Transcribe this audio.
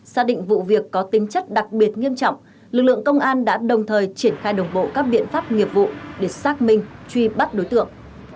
xác định vụ việc có tính chất đặc biệt nghiêm trọng lực lượng công an đã đồng thời triển khai đồng bộ các biện pháp nghiệp vụ để xác minh truy bắt đối tượng